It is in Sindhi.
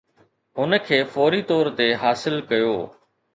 هن کي فوري طور تي حاصل ڪيو.